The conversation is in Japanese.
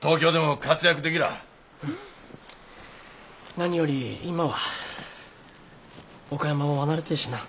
何より今は岡山を離れてえしな。